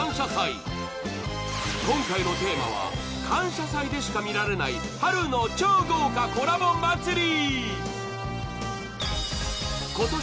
今回のテーマは「感謝祭」でしか見られない春の超豪華コラボ祭り